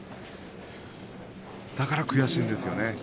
だから悔しいんですよね。